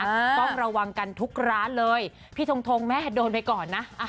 ต้องระวังกันทุกร้านเลยพี่ทงทงแม่โดนไปก่อนนะ